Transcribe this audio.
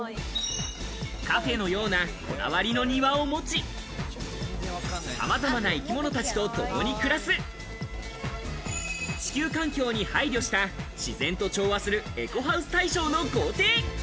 カフェのような、こだわりの庭を持ち、さまざまな生き物たちと共に暮らす、地球環境に配慮した、自然と調和するエコハウス大賞の豪邸。